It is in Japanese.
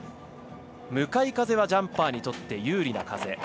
向かい風はジャンパーにとっては有利な風。